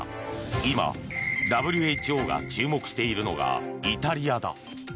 今、ＷＨＯが注目しているのがイタリアだ。